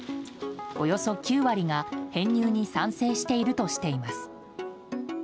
およそ９割が編入に賛成しているとしています。